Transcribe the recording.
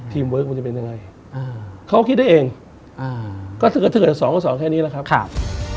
ทีมเวิร์คมันจะเป็นยังไงเขาคิดได้เองก็ถ้าเกิดสองก็สองแค่นี้แหละครับ